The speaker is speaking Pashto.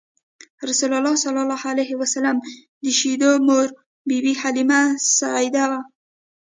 رسول الله ﷺ د شیدو مور بی بی حلیمه سعدیه وه.